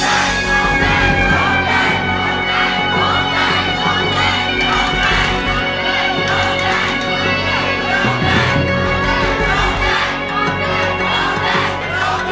หรือว่าร้องผิดครับ